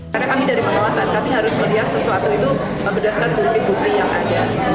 karena kami dari pengawasan kami harus melihat sesuatu itu berdasarkan bukti bukti yang ada